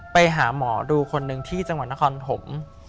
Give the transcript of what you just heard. ไปหาหมอดูคนหนึ่งที่จังหวัดนครปฐม